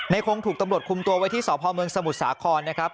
คงถูกตำรวจคุมตัวไว้ที่สพเมืองสมุทรสาครนะครับ